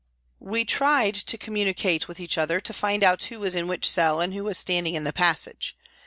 We tried to communicate with each other, to find out who was in which cell and who was standing in the passage.